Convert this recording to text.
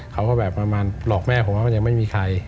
เขาก็แบบประมาณหลอกแม่ผมว่ามันยังไม่มีใคร